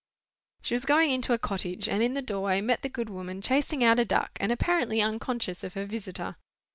She was going into a cottage, and in the doorway met the good woman chasing out a duck, and apparently unconscious of her visitor.